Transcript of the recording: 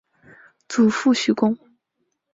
祖父许恭。